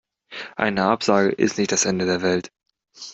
Eine Absage ist nicht das Ende der Welt.